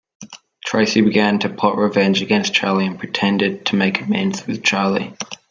Tracy began to plot revenge against Charlie and pretended to make amends with Charlie.